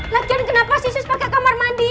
lagi kan kenapa sus pake kamar mandi